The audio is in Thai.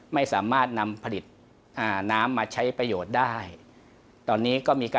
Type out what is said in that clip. ไม่สามารถนำพลิตน้ำมาใช้ประโยชน์ได้